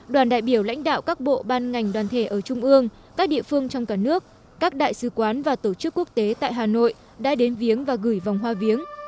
đoàn đại biểu lãnh đạo các bộ ban ngành đoàn thể ở trung ương các địa phương trong cả nước các đại sứ quán và tổ chức quốc tế tại hà nội đã đến viếng và gửi vòng hoa viếng